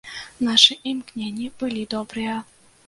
Нашы імкненні былі добрыя.